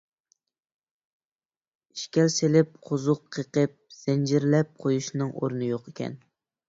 ئىشكەل سېلىپ، قوزۇق قېقىپ، زەنجىرلەپ قويۇشنىڭ ئورنى يوقكەن.